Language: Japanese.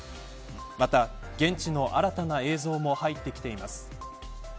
また、現地の新たな映像も入ってきています。